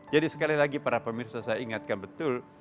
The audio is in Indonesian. jadi sekali lagi para pemirsa saya ingatkan betul